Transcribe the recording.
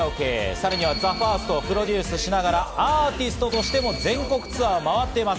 社長として会社を経営、さらにはＴＨＥＦＩＲＳＴをプロデュースしながらアーティストとしても全国ツアーを回っています。